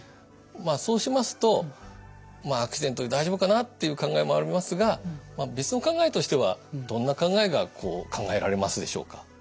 まあそうしますと「アクシデントで大丈夫かな」っていう考えもありますが「別の考え」としてはどんな考えが考えられますでしょうか？